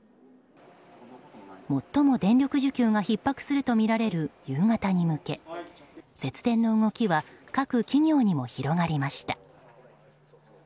最も電力需給がひっ迫するとみられる夕方に向け節電の動きは各企業にも広がりました。